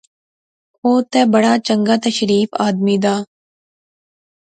او تے بڑا چنگا تے شریف آدمی دا